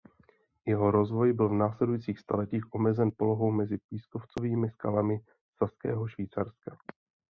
Jeho rozvoj byl v následujících staletích omezen polohou mezi pískovcovými skalami Saského Švýcarska.